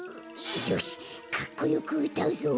よしかっこよくうたうぞ。